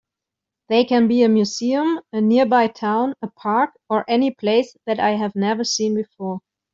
They can be a museum, a nearby town, a park, or any place that I have never been before.